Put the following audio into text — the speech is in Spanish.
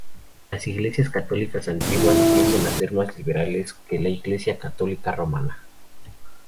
Las Iglesias católicas antiguas tienden a ser más liberales que la Iglesia católica romana.